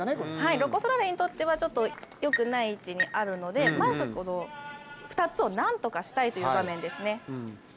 ロコ・ソラーレにとってはちょっとよくない位置にあるのでまず２つを何とかしたいという場面ですね。